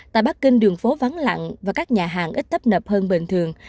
tại bắc kinh đường phố vắng lặng và các nhà hàng ít tấp nập hơn bình thường